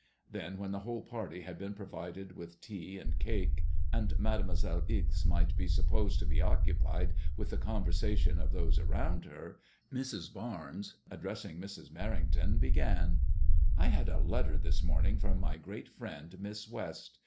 Then, when the whole party had been provided with tea and cake, and Mademoiselle Ixe might be supposed to be occupied with the conversation of those around her, Mrs. Barnes, addressing Mrs. Merrington, began —^* I had a letter this morning from my great friend, Miss West.